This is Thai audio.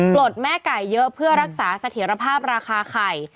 ลดแม่ไก่เยอะเพื่อรักษาเสถียรภาพราคาไข่